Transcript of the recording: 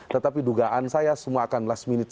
tetapi dugaan saya semua akan last minute